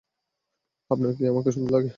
আপনার কি আমাকে সুন্দর লাগে?